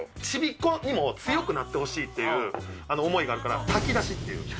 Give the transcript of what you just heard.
ちびっこにも強くなってほしいっていう思いがあるから、炊き出しっていう。